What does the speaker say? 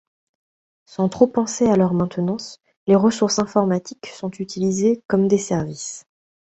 Sans trop penser à leur maintenance, les ressources informatiques sont utilisées comme des services.